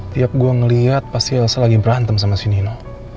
tiap gue ngeliat pasti elsa lagi berantem sama si nina